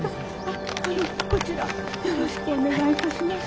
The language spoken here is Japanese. あっあのこちらよろしくお願いいたします。